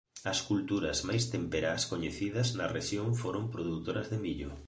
As culturas máis temperás coñecidas na rexión foron produtoras de millo.